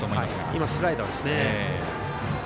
今、スライダーですね。